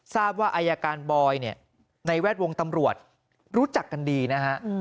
ทราบว่าอายการบอยเนี่ยในแวดวงตำรวจรู้จักกันดีนะฮะ